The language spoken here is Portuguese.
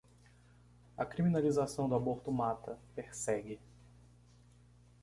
A criminalização do aborto mata, persegue